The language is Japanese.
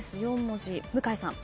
４文字向井さん。